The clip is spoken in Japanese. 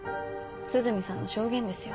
涼見さんの証言ですよ